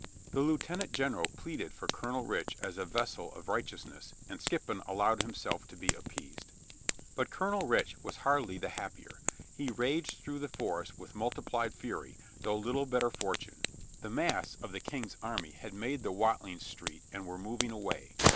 The lieuten ant general pleaded for Colonel Rich as a vessel of righteousness and Skippon allowed himself to be appeased. But Colonel Rich was hardly the happier. He raged through the forest with multiplied fury, though little better fortune. The mass of the King's army had made the Wat ling Street and were moving away.